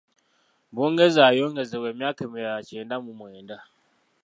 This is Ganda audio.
Bungereza yayongezebwa emyaka emirala kyenda mu mwenda.